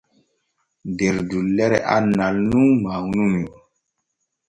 Der dullere annal nun mawnumi.